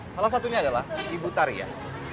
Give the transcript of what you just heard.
salah satunya adalah ibu tarian